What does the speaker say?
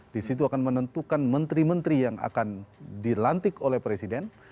di situ akan menentukan menteri menteri yang akan dilantik oleh presiden